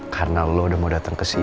karena lo udah mau dateng kesini